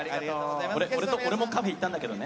俺もカフェ行ったんだけどね。